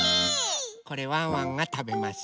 これワンワンがたべます。